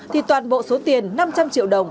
thì toàn bộ số tiền năm trăm linh triệu đồng